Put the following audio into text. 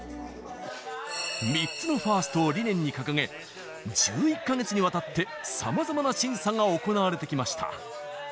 ３つのファーストを理念に掲げ１１か月にわたってさまざまな審査が行われてきました。